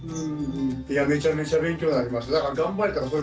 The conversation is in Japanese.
いやめちゃめちゃ勉強になります。